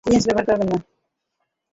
Syringe ব্যবহার করবে না।